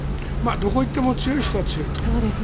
どこ行っても強い人は強いと。